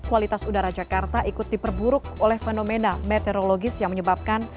kualitas udara jakarta ikut diperburuk oleh fenomena meteorologis yang menyebabkan